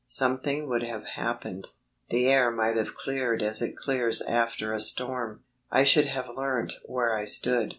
Something would have happened; the air might have cleared as it clears after a storm; I should have learnt where I stood.